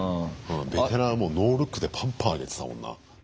ベテランはもうノールックでパンパンあげてたもんな。